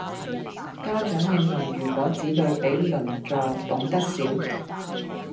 家長認為如果子女比鄰座懂得少